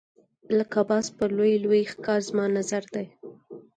لکه باز په لوی لوی ښکار زما نظر دی.